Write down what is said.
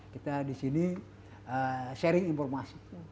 kita di sini sharing informasi